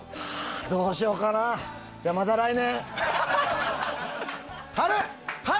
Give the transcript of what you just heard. どうしようかな、また来年！